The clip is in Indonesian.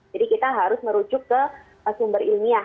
jadi kita harus merujuk ke sumber ilmiah